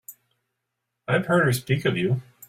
I've heard her speak of you.